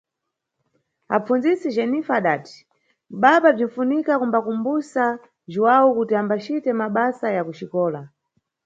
Apfundzisi Jenifa adati: Baba, bzinʼfunika kumbanʼkumbusa Jhuwawu kuti ambacite mabasa ya kuxikola.